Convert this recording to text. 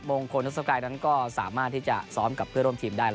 โมงโคนทรัพย์ทรัพย์ก็สามารถที่จะซ้อมกับเพื่อนร่วมทีมได้